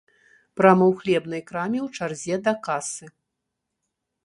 Прама ў хлебнай краме ў чарзе да касы.